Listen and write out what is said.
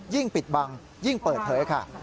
ปิดบังยิ่งเปิดเผยค่ะ